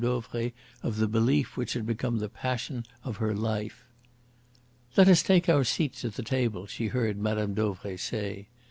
Dauvray of the belief which had become the passion of her life. "Let us take our seats at the table," she heard Mme. Dauvray say.